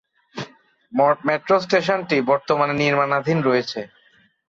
Metro স্টেশনটি বর্তমানে নির্মাণাধীন রয়েছে।